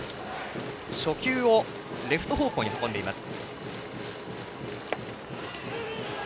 初球をレフト方向に運んでいます。